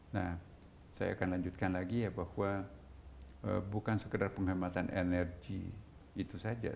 nah saya akan lanjutkan lagi ya bahwa bukan sekedar penghematan energi itu saja